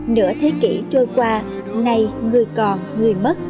nửa thế kỷ trôi qua ngay người còn người mất